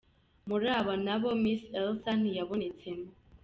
Muri aba nabo Miss Elsa ntiyabonetsemo.